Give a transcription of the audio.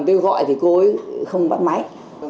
tôi gọi thì cô ấy không bắt máy